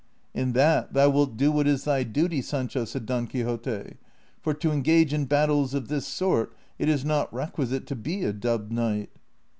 '' In that thou wilt do what is thy duty, Sancho," said Don Quixote ;" for to engage in battles of this sort it is not req uisite to be a dubbed knight."